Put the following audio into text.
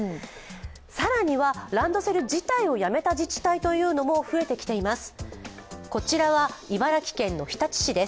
更にはランドセル自体をやめた自治体も増えてきています。